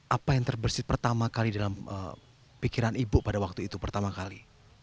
apa yang terbersih pertama kali dalam pikiran ibu pada waktu itu pertama kali